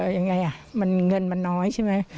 อย่างไรมันเงินมันน้อยใช่ไหม